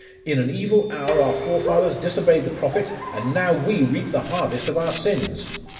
'In an evil hour our forefathers disobeyed the prophet; and now we reap the harvest of our sins!